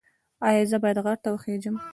ایا زه باید غر ته وخیزم؟